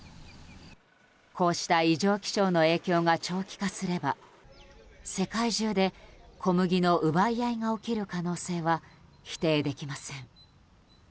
こうした異常気象の影響が長期化すれば世界中で小麦の奪い合いが起きる可能性は否定できません。